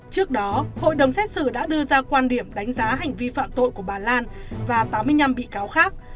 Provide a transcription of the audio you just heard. trước đó hội đồng xét xử đã đưa ra quan điểm đánh giá hành vi phạm tội của bà lan và tám mươi năm bị cáo khác